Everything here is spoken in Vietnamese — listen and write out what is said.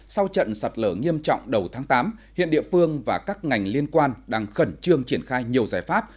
sau trận sạt lở nghiêm trọng đầu tháng tám hiện địa phương và các ngành liên quan đang khẩn trương triển khai nhiều giải pháp